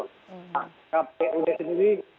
nah kpud sendiri